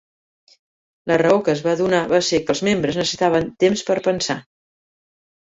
La raó que es va donar va ser que els membres necessitaven temps per pensar.